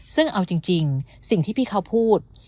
ซึ่งเอาจริงสิ่งที่พี่เขาพูด